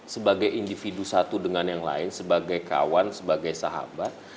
sebagai individu satu dengan yang lain sebagai kawan sebagai sahabat